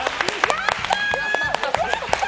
やったー！